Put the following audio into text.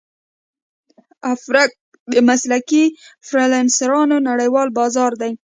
افورک د مسلکي فریلانسرانو نړیوال بازار دی.